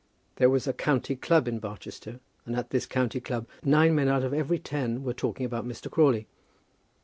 There was a county club in Barchester, and at this county club nine men out of every ten were talking about Mr. Crawley.